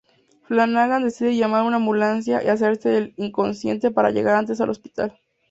Flanagan decide llamar una ambulancia y hacerse el inconsciente para llegar antes al Hospital.